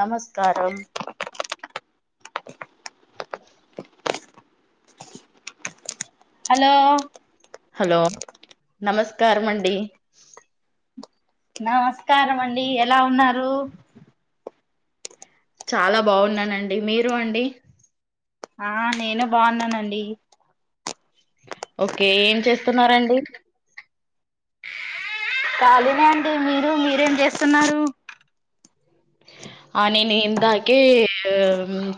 నమస్కారం hello hello. నమస్కారం మండి నమస్కారం అండి ఎలా ఉన్నారు. చాలా బాగున్నానండి. మీరు అండి. ఆ నేను బాగున్నానండి. ఓకే ఏం చేస్తున్నారండి. కాలినే అండి. మీరు మీరేం చేస్తున్నారు. ఆ నేను ఇందాకే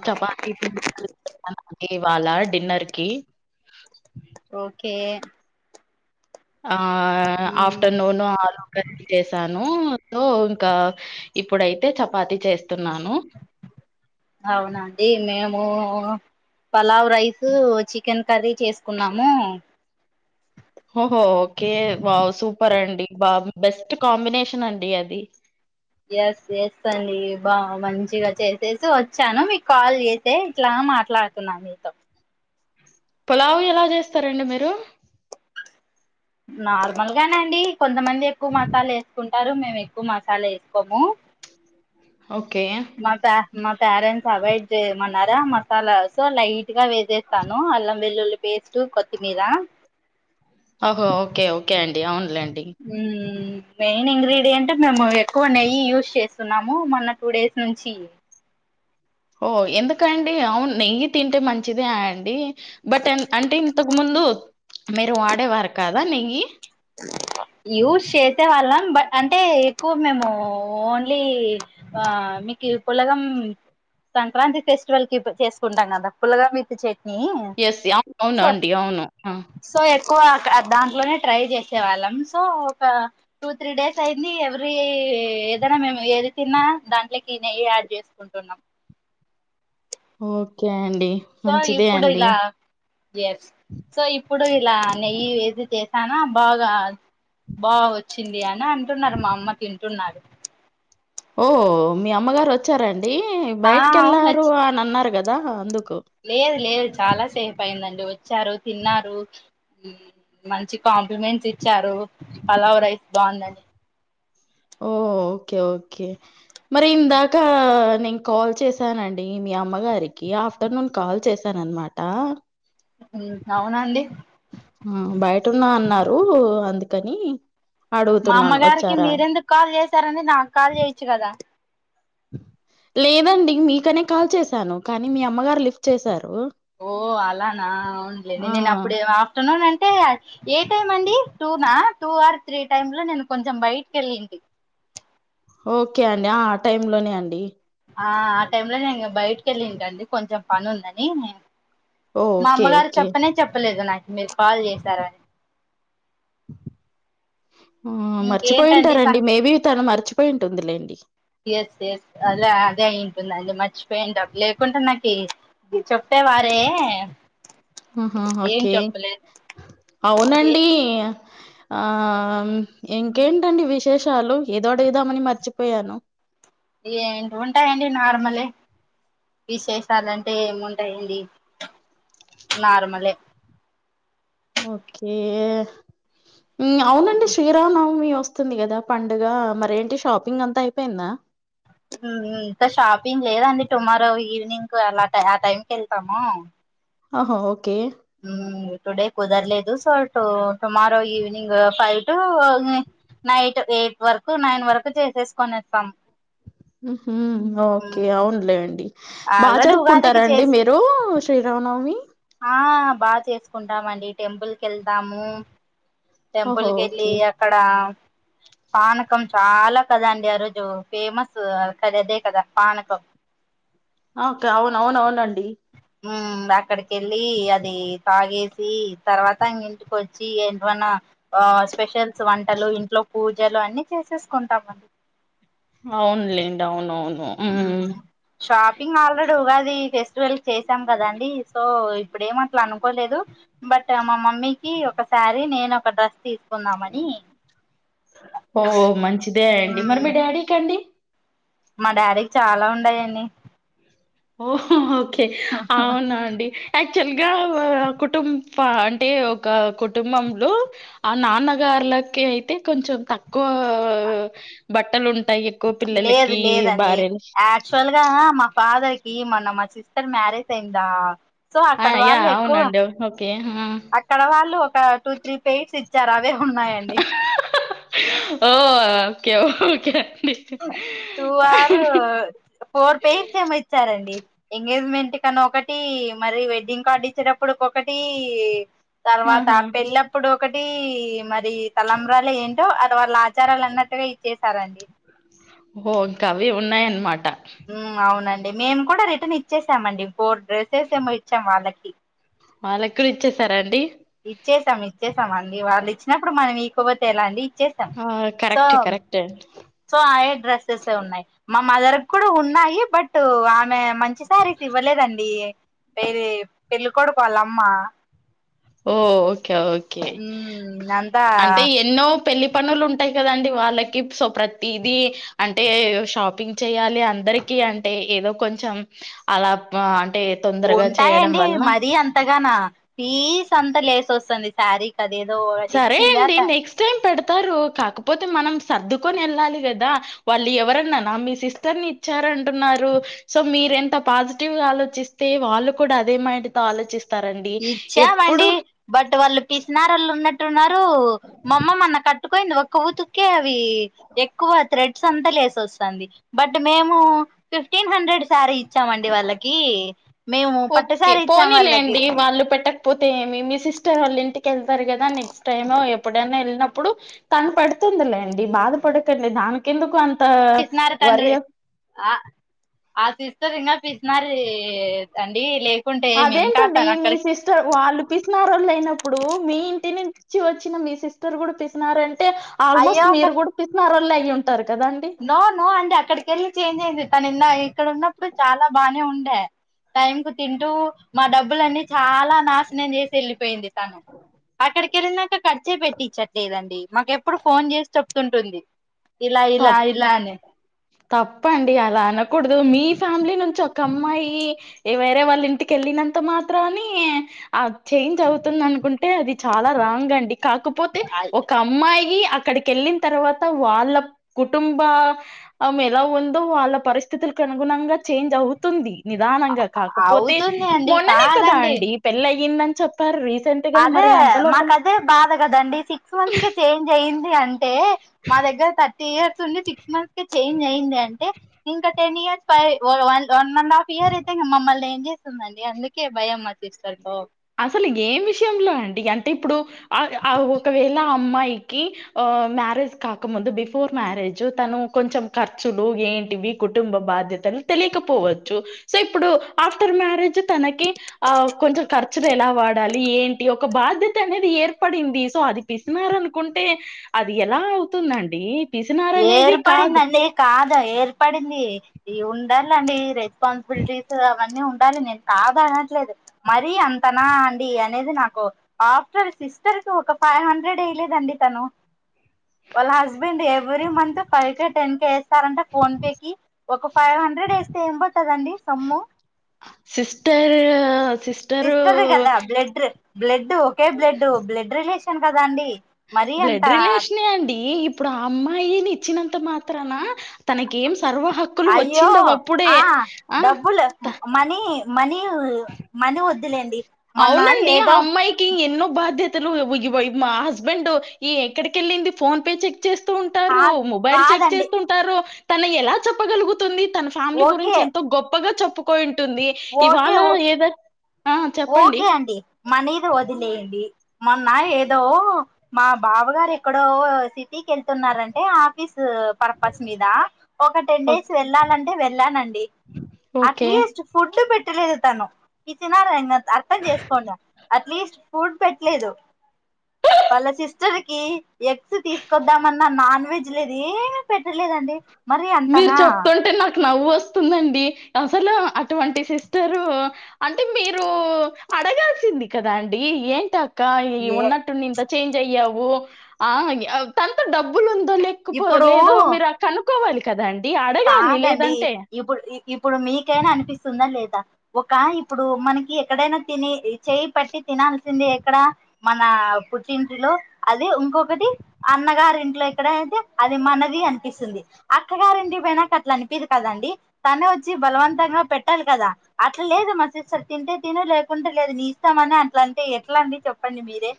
చపాతి పిండ్ కల్ప్ తున్న ఇవాళ్ళ డిన్నర్ కి ఓకే ఆ మ్మ్ ఆఫ్టర్నూన్ ఆలు కర్రీ చేశాను. ను సో ఇంకా ఇప్పుడైతే, చపాతి చేస్తున్నాను. అవునండి మేము, పలావ్ రైస్, చికెన్ కర్రీ చేసుకున్నాము. ఓహో ఓకే వావ్ సూపర్ అండి. వావ్ బెస్ట్ కాంబినేషన్ అండి అది. ఎస్ ఎస్ అండి బా మంచిగా చేసేసి వచ్చాను. మీకు కాల్ చేసే ఇట్లా. మాట్లాడుతున్నా మీతో. పులావు ఎలా చేస్తారండి మీరు? నార్మల్ గానే అండి కొంతమంది ఎక్కువ, మసాలా వేసుకుంట్ కుంటారు మేము ఎక్కువ మసాలా ఏసుకోము ఓకే మా పేర్ మా పేరెంట్స్ అవాయిడ్ చేయమంట్ న్నారా మసాలా లైట్ గా వేసేస్తాను. అల్లం వెల్లుల్లి పేస్ట్ కొత్తిమీర. ఓహో ఓకే ఓకే అండి అవునులేండి ఉమ్ మెయిన్ ఇంగ్రీడియంట్, మేము ఎక్కువ నెయ్యి యూజ్ చేస్తున్నాము, మొన్న టు డేస్ నుంచి. ఓ ఎందుకండి అవును నెయ్యి తింటే మంచిదే, అండి బట్ అంటే ఇంతకు ముంద్ ముందు మీరు వాడే వరు కాదా నెయ్యి యూస్ చేసే వాళ్ళం బట్ అంటే ఎక్కువ మేము ఓన్లీ, బా ఆ మీకు పులగం సంక్రాంతి ఫెస్టివల్ కి చేసుకుంటా కదా పులుగ విత్ నియ్య యెస్. అవును. సో అవునండి. అవును. ఆ! సో ఎక్కువ దాంట్లోనే ట్రై చేస్ వాళ్ళం సో ఒక టు, త్రీ డేస్ అయింది. ఎవ్రీ ఏదైనా మేము ఏది తిన్నా. దాంట్లోకి నెయ్యి యాడ్ చేసుకుంటున్నాం ఓకే అండ్ సో ఇప్పుడు ఇలా ఎస్ సో ఇప్ ఇప్పుడు ఇలా నెయ్యి వేసి చేశానా బాగా బాగో వచ్చింది అని అని అంటున్నారు మా అమ్మ తింటున్నారు. ఓ మీ అమ్మగారు వచ్చారండ్ అండి ఆ బయటికి అవును వెళ్ళారు వచ్చి అని అన్నారు కదా అందుకు చ్చారు తిన్నారు మంచి కాంప్లిమెంట్స్ ఇచ్చారు. పలావ్ రైస్ బాగుందని. ఓ ఓకే, ఓకే మరి ఇందాకా. నేను కాల్ చేసానండి మీ అమ్మగారికి. ఆఫ్టర్నూన్ కాల్ చేశాన అన్నమాట. అవునండి బయటన్న అన్నారు అందుకని మా అడుగుతున్నాను అమ్మగారికి వచ్చారా మీరెందుకు కాల్ చేసారండి నాకు కాల్ చేయొచ్చు కదా. లేదండి. మీకనే కాల్ చేశాను కానీ, మీ అమ్మగారు లిఫ్ట్ చేశారు. ఓ అలానా అవునులే. నే ఆ నేనప్పుడే ఆఫ్టర్నూన్ అం టే ఏ టైం అండి. టూ నా టూ ఆర్ త్రీ టైం లో నేను కొంచెం బయిట్ కెళ్ళింటి. ఓకే అండి. ఆ టైం లోనే అండి. ఆ ఆ టైం లో నేన్ ఇంగ బయిట్ కేళ్ళింటండి. కొంచెం పని ఉందని ఓ మా ఓకే అమ్మగారు ఓకే చెప్పనే చెప్పలేద్గా. నాకు మీరు కాల్ చేశారని. ఆ ఇంకేంటండి సం మర్చిపోయింటారంండి. మేబి తను మర్చిపోయింటుందిలేండి. ఎస్ ఎస్ అదే అంటే అయ్యుం తుందండి. మర్చిపోయింటాబ్ లేకుంటే నాకి ఈ చెప్పేవారే. ఆహ ఏం ఓకే చెప్పలేదు ఏ అవునండి ఆమ్ ఇంకేంటండి విశేషాలు. ఏదోడిదామని మర్చిపోయాను. ఏంటి ఉంటాయంండి నార్మలే. విశేషాలాంటే ఏముంటాయండి? నార్మలే ఓకే ఉమ్ అవునండి శ్రీరామ నవ్మివ స్తుంది కదా పండుగ. మరేంటి షాపింగ్ అంతా అయిపోయిందా? ఉమ్ ఇంకా షాపింగ్ లేదండి. టుమారో ఈవినింగ్కు అలా ఆ టైం కేళ్తాము. ఆహొ ఓకే ఉమ్ టుడే కుదర్లేదు. So to tomorrow evening five two um night eight వర్కు, నైన్ వరకు చేసేసుకోనేతం. ఉహ్ హుమ్ ఓకే అవునులేండి. బాగ్ ఆల్రెడీ ఉగాదికి జరుపుకుంటారంండి. చేసి మీరు శ్రీరామనవమి? ఆ బాగా చేసుకుంటామండి. టెంపుల్ కేళ్తాము. ఓహో! టెంపుల్ కేళ్ళి ఓకే. అక్కడ. పానకం చాలా కదండి ఆ రోజు. ఫేమసు కదదే కదా పానకం. ఓక అవునవునవునండి ఉమ్ అక్కడికెళ్ళి. అది తాగేసి తర్వాత ఇంగ ఇంటికొచ్చి ఏంట్వన్నా. ఆ స్పెషల్స్ వంటలు, ఇంట్లో పూజలు అన్ని చేసేసుకుంటామండ్ అవునులేండ్ అవునవును ఉహ్ హ్మ్. హు షాపింగ్ ఆల్రెడీ ఉగాది ఫెస్టివల్ చేశాం కదండి. సో ఇప్పుడేమట్లా అనుకోలేదు. బట్ మా మమ్మీకి ఒకసారి నేనొక్ ఓ మంచిదే అండి. మరి ఉమ్ మీ డాడీ కండి? మా డాడీకి చాలా ఉంన్నయండి. ఓహ్ ఓకే అవునా అండి అయిత్ అక్చువల్ గా ఓ కుటుం ప అంటే. ఒక కుటుంబంలో ఆ నాన్నగార్ల్ లకయితే కొంచెం తక్కువా బట్టలు ఉంట్ లేదు లేదండి. యాక్చువల్ గా మా ఫాదర్ కి మొన్న మా సిస్టర్ మ్యారేజ్ అయింద్రా. సో ఆ! అక్కడ యాహ్! వాళ్ళెక్కువ, అవునండి. ఓకే. ఆ! అక్కడ వాళ్ళు ఒక టూ త్రీ పేర్స్ చ్ okay okay two or four పెయిర్సేమో ఇచ్చారండి. ఎంగేజ్మెంట్ కనీ ఒకటి, మరి వెడ్డింగ్ కార్డు ఇచ్చేటప్పుడుకు ఒకటి. తర్వాత ఆహా! పెళ్లప్పుడు ఒకటి, మరి తలంబ్రాల ఏంటో, అది వాళ్ళ ఆచారాలన్నట్టుగా ఇచ్చెసారండి. ఓహొ ఇంకా అవి ఉన్నాయన్మాట. ఉమ్ అవునండి మేము కూడా రిటర్న్ ఇచ్చేసామండి. ఫోర్ డ్రెస్సెసెమో ఇచ్చాం వాళ్ళకి. వాళ్ళక్కుడ ఇచ్చేసారండి? ఇచ్చేసాం ఇచ్చేసాం అండి. వాళ్ళు ఇచ్చినప్పుడు మనం ఇయుకపోతే ఎలా అండి ఇచ్చేసాం. ఆ! సో కరెక్టే కరెక్టేండి సో అయే డ్రెస్సెసే ఉన్నాయి. మా మదర్ కూడా ఉన్నాయి. బట్ టు ఆమె మంచి సారీస్ ఇవ్వలేదండి వేరె పెళ్ళికొడుకోవాలమ్మా ఓ ఓకే ఓకే మ్మ్ అంతా అంటే ఎన్నో పెళ్ళి పనులు ఉంటాయి కదండి, వాళ్ళకి సో ప్రతిది అంటే షాపింగ్ చేయాలి. అంత్ అందరికి అంటే ఏదో కొంచెం అలా బాన్ ఉంటాయండి. మరీ అంతగానా ఫీస్ అంత లేస్ వస్తంది శారీకి అదేదో అది సరే అండి ఇచ్చిందట నెక్స్ట్ టైం పెడతారు. కాకపోతే మనం సర్దుకొనెళ్ళాలి గదా వాళ్ళు ఎవరన్నానా మీ సిస్టర్ ని ఇచ్చారంటున్నారు. సో మీ మీర ఎంత పాజిటివ్ గా ఆలోచిస్తే, వాళ్ళు కూడా అదే మైండ్ తో ఆలోచిస్ ఇచ్చామండి బట్ వాళ్ళు పిసినారొళ్ళు ఉన్నట్ టున్నారు మమ్మ మొన్న కట్టుకోయింది ఒక్ ఒక్క ఉతుక్కే అవి ఎక్కువ త్రేడ్స్ అంతా లేసొస్ తంది బట్ మేము ఫిఫ్టీన్ హండ్రెడ్ సారీ ఇచ్ ఇచ్చామండి వాళ్ళకి మేము పట్టుసారి ఇచ్చామ్ వాళ్ళకి లేక్పోతే మీ మీ సిస్టర్ వాళ్ళింటికి యెళ్తారు కదా నెక్స్ట్ టైమ్ ఎప్పుడైనా యెళ్ళినప్ అప్పుడు తను పెడుతుందిలేండి బాధపడకండి దానికెందుకు అంత్ పిసినారి తండ్రి ఆ ఆ సిస్టర్ ఇంగ పిసినారి అండి లేక్ అదేంటండి మీ సిస్టర్ వాళ్ళు పిసినారోళ్ళయినప్పుడు మీ ఇంటిని చ్చి వచ్చిన మీ సిస్టర్ కూడా పిసినారి అంటే ఆల్మోస్ట్ అయ్యో ఒక మీరు గూడా పిసినారొల్లే అయి ఉంటారు కదండి నో నో అండి అక్కడికెళ్ళి చేంజ్ అయింది. తనిన్నయి ఇక్కడున్నప్పుడు చాలా బానే ఉండే, టైం కు తింటూ మా డబ్బులన్నీ చాలా నాశనం జేసి వెళ్ళిపోయింది. తను అక్కడికి యెళ్ళినాక ఖర్చే పెట్టిచ్చట్లేదండి. మాకెప్పుడు ఫోన్ జేసి చెప్తుంటుంది. ఇలా ఇలా తప్పు ఇలా అని తప్పండి అలా అనకూడుదు. మీ ఫ్యామిలీ నుంచి ఒక అమ్మాయి ఏ వేరే వాళ్ళ ఇంటికి యెళ్ళినంత మాత్రని ఆ చేంజ్ అవుతుందనుకుంట్ అంటే అది చాలా రాంగ్ అండి కాకపోతే ఒక అమ్మాయి అక్కడికి యెళ్ళిన తర్వాత వాళ్ళ కుటుంబ మ్ ఎలా ఉందో వాళ్ళ పరిస్థితులకు అనుగుణంగా చేంజ్ అవుతుంది. నిదానంగా కాకపోతే అవుతుంది అండి మొన్ననే కదా కాదండి అండి పెళ్ళి అయ్యిందని చెప్పారు. రీసెంట్ గా అదే మరి అంత లోపల మాకు అదే బాధ గదండి సిక్స్ మంత్స్ కి చేంజ్ అయ్యింది. అం టే మా దగ్గర థర్టీ ఇయర్స్ వుండి సిక్స్ మంత్స్ కే చేంజ్ అయిం దంటే ఇంక టెన్ ఇయర్స్ పై వన్ ఎండ్ ఆఫ్ ఇయర్ అయితే మమ్మల్ని ఎంజే వస్తుందండి అందుకే భయం మాసిస్టర్ తో అసలు ఏం విషయంలో అండి అంటే ఇప్పుడు ఆ ఆ ఒకవేళ ఆ అమ్మాయి నికి ఆ మ్యారేజ్ కాక ముందు బిఫోర్ మ్యారేజ్ తను కొంచెం ఖర్చులు ఏంటివి కుటుంబ బాధ్యతలు తెలియకపోవచ్చు సో ఇప్పుడు ఆఫ్టర్ మ్యారేజ్ తనకి ఆ కొంచెం కర్ చ్చులు ఎలా వాడాలి ఏంటి ఒక బాధ్యత అనేది ఏర్పడింది. సో అది పిసినారి అనుకుంటే, అది ఎలా అవుతుందండి. పిసినారనేది కాదు. ఏర్పడిందండి కాదు ఏర్పడింది ఇగ ఉండాలి అండి రెస్పాన్సిబిలిటీస్ అవన్నీ ఉండాలి నేను కాదు అనట్లేదు. మరీ అంతనా అండి అనేది నాకు ఆఫ్టల్ సిస్టర్ కి ఒక ఫైవ్ హండ్రెడ్ ఇయ్యలేదండి తను వాళ్ళ హస్బెండ్ ఎ every month five K ten K యేస్తారంటా ఫోన్ పే కి ఒక ఫైవ్ హండ్రెడ్ యేస్తే ఏమ్ బోతదండి. కమ్ము సిస్టర్ సిస్టరు సిస్టర్ గదా బ్లడ్ర్ బ్లెడ్ ఒకే బ్లెడ్ బ్లెడ్ రిలేషన్ కదా అండి మరీ అంత బ్లెడ్ రిలేషనే అండి ఇప్పుడు ఆ అమ్మాయిని ఇచ్చినంత మాత్రాన తనకేం సర్వ హక్కులు అయ్యో వచ్చిండవు అప్పుడే ఆ ఆ డబ్బులు త- మనీ మనీ మని వ అవునండి ఆ అమ్మాయికి ఎన్నో బాధ్యత తలు వయ్వయ్ మా హస్బెండ్ ఈ ఎక్కడికెళ్ళింది ఫోన్ పే చె చేస్తూ కా ఉంటారు మొబైల్ చెక్ కాదండి చేస్తుంటారు తన ఎలా చెప్పగలుగుతుంది తన ఫ్యామిలీ ఓకే గురించి ఎంతో గొప్పగా చెప్పుకోయింటుంది ఇవాళ ఓకే ఓకే ఏద ఓకే అండి మనీది వదిలేయంది మొన్న ఏదో మా బావగారు ఎక్కడో సిటీకి వెళ్తున్నారంటే ఆఫీస్ పర్పస్ మీద ఒక టెన్ ఓ- డేస్ వెళ్ళాలంటే వెళ్ళానండి ఓకే అట్లీస్ట్ ఫుడ్ పెట్టలేదు తను పిసినారండి అ అర్థం చేసుకోండి అట్లీస్ట్ ఫుడ్ పెట్లేదు వాళ్ళ సిస్టర్ కి ఎగ్స్ తీసుకొద్దామన్నా నాన్ వెజ్ లేదు ఏమి పెట్టలేదండి మరి మీరు అంతనా చెప్తుంటే నాకు నవ్వు వస్తుందండి అసలు అటువంటి సిస్టరు అంటే మీరు అడగాల్సింది కదా అండి ఏంట క్క ఈ ఏ ఉన్నట్టుండి ఇంత చేంజ్ అయ్యావు ఆ తంతొ డబ్బులు దొ లేకపో ఇప్పుడు లేదో మీరు కానుక్ కాదండి ఇప్పుడు ఇప్పుడు మీకైనా అనిపిస్తుందా లేదా ఒక ఇప్పుడు మనకి ఎక్కడైనా తినేది చేయి పట్టి తినాల్సిందే ఎక్కడ మన పుట్టింట్లో అది ఇంకొకటి అన్నగారి ఇంట్లో ఎక్కడ అయితే అది మనది మనది అనిపిస్తుంది [inaudible] అక్కగారింటికి పోయినాక అట్లా అనిపిది కదండి తనే వచ్చి బలవంతంగా పెట్టాలి కదా అట్లా లేదు మా సిస్సర్ తింటే తిను లేకుంటే లేదు నీ ఇష్టమని అట్లా అంటే ఎట్లా అండి చెప్పండి మీరే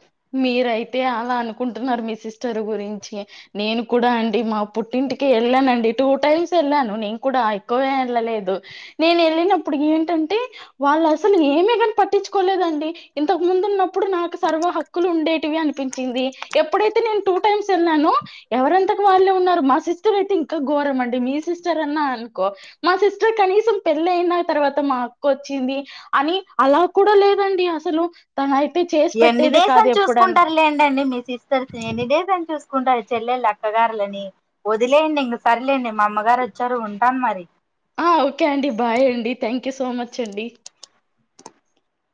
మీరయితే అలా అనుకుంటున్నారు మీ సిస్టర్ గురించి నేను కూడా అండి మా పుట్టింటికి వెళ్ళానండి టూ టైమ్స్ వెళ్ళాను నేను కూడా ఎక్కువ వెళ్ళలేదు నేను వెళ్ళినప్పుడు ఏంటంటే వాళ్ళు అసలు ఏమే కాని పట్టించ ంచుకోలేదండి ఇంతకు ముందు ఉన్నప్పుడు నాకు సర్వ హక్కులు ఉండేటివి అనిపించింది ఎప్పుడైతే నేను టూ టైమ్స్ వెళ్ళను ఎవరంతకు వాళ్ళే ఉన్నారు మా సిస్టర్ అయితే ఇంక్ ఇంకా ఘోరం అండి మీ సిస్టర్ అన్నా అనుకో మా సిస్టర్ కనీసం పెళ్ళ అయిన తర్వాత మా అక్క వచ్చి వచ్చింది అని అలా కూడా లేదండి అసలు తనయి ఎన్ని డేస్ అని చూసుకుంటారు లేండి మీ సిస్టర్స్ ఎన్ని డేస్ అని చూసుంట చూస్కుంటారు చెల్లెళ్ అక్కగార్లని వదిలేయండి ఇంక సరేలేండి మా అమ్మగారు వచ్చారు ఉంటాను మరి క్యూ సో మచ్ అండి